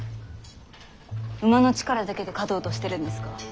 馬の力だけで勝とうとしてるんですか？